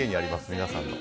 皆さんの。